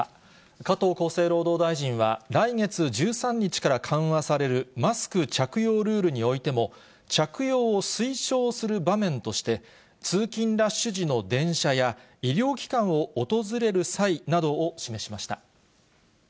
加藤厚生労働大臣は、来月１３日から緩和されるマスク着用ルールにおいても、着用を推奨する場面として、通勤ラッシュ時の電車や、医療機関を訪れる際などを示しました。